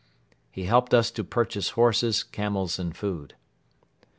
He helped us to purchase horses, camels and food.